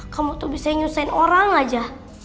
kamu tuh bisa nyusahin orang aja